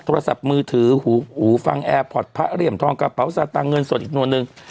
โทรศัพท์มือถือหูฟังแอร์พอร์ตพระเหลี่ยมทองกระเป๋าสตางคเงินสดอีกนวนนึง